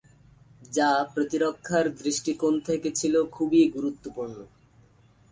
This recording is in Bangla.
যা প্রতিরক্ষার দৃষ্টিকোণ থেকে ছিল খুবই গুরুত্বপূর্ণ।